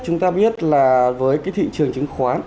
chúng ta biết là với cái thị trường chứng khoán